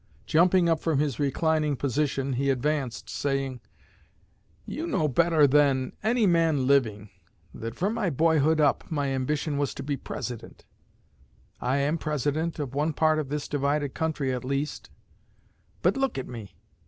Jumping up from his reclining position, he advanced, saying: "You know better than any man living that from my boyhood up my ambition was to be President. I am President of one part of this divided country at least; but look at me!